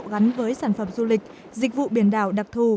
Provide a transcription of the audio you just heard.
gắn với sản phẩm du lịch dịch vụ biển đảo đặc thù